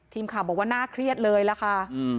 ทีมข่าวบอกว่าน่าเครียดเลยล่ะค่ะ